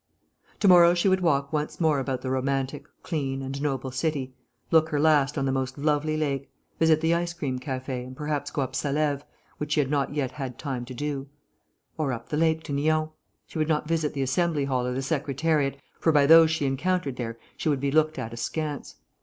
To morrow she would walk once more about the romantic, clean, and noble city, look her last on the most lovely lake, visit the ice cream café and perhaps go up Salève, which she had not yet had time to do. Or up the lake to Nyons. She would not visit the Assembly Hall or the Secretariat, for by those she encountered there she would be looked at askance.